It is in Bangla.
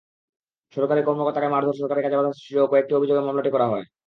সরকারি কর্মকর্তাকে মারধর, সরকারি কাজে বাধা সৃষ্টিসহ কয়েকটি অভিযোগে মামলাটি করা হয়।